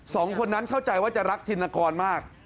สองคนนั้นเข้าใจว่าจะรักธินกรมาก